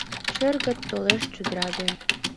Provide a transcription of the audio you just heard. Шергылт толеш чодыра ден.